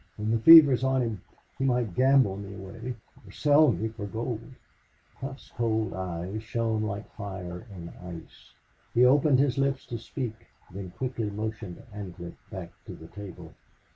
When the fever's on him he might gamble me away or sell me for gold." Hough's cold eyes shone like fire in ice. He opened his lips to speak then quickly motioned Ancliffe back to the table.